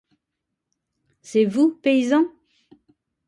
C’est vous, paysan ?